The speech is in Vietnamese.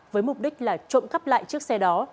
với mục đích là trộm cắp lại chiếc xe đó